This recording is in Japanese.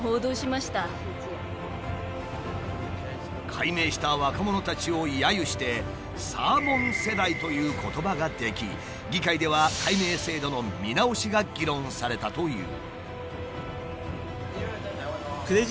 改名した若者たちを揶揄して「サーモン世代」という言葉が出来議会では改名制度の見直しが議論されたという。